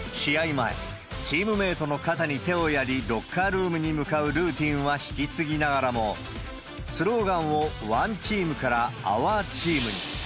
前、チームメートの肩に手をやり、ロッカールームに向かうルーティンは引き継ぎながらも、スローガンをＯＮＥＴＥＡＭからＯｕｒ・Ｔｅａｍに。